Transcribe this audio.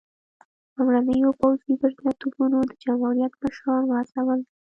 لومړنیو پوځي بریالیتوبونو د جمهوریت مشران وهڅول.